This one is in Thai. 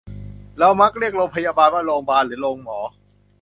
เรามักเรียกโรงพยาบาลว่าโรงบาล หรือโรงหมอ